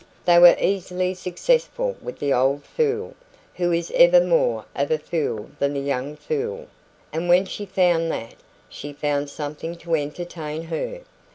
They were easily successful with the old fool, who is ever more of a fool than the young fool; and when she found that, she found something to entertain her.